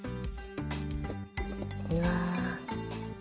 うわ！